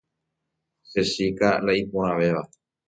Che chíka la iporãvéva.